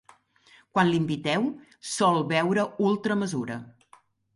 Quan l'inviteu, sol beure ultra mesura.